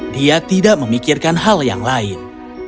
dia tidak memikirkan hal yang lain